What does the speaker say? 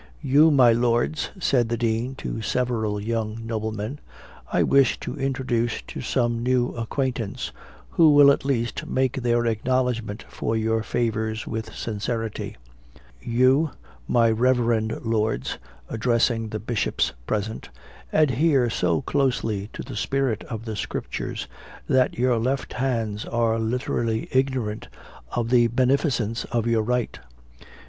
"You, my Lords," said the Dean to several young noblemen, "I wish to introduce to some new acquaintance, who will at least make their acknowledgment for your favors with sincerity. You, my reverend Lords," addressing the bishops present, "adhere so closely to the spirit of the Scriptures, that your left hands are literally ignorant of the beneficence of your right.